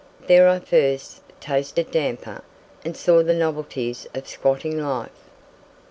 There I first tasted damper and saw the novelties of squatting life.